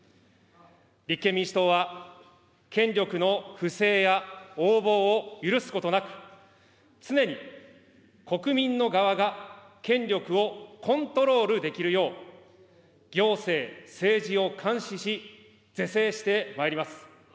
立憲民主党は権力の不正や横暴を許すことなく、常に国民の側が権力をコントロールできるよう、行政、政治を監視し、是正してまいります。